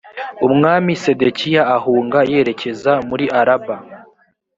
umwami sedekiya ahunga yerekeza muri araba